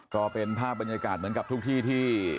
ก็เป็นภาพบรรยากาศเหมือนกับทุกที่ที่